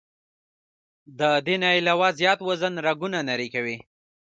د دې نه علاوه زيات وزن رګونه نري کوي